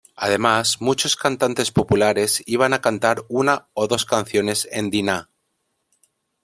Además, muchos cantantes populares iban a cantar una o dos canciones en "Dinah!